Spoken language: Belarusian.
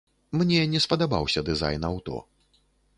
Мне не спадабаўся дызайн аўто.